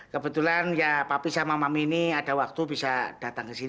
kebetulan ya papi sama mami ini ada waktu bisa datang ke sini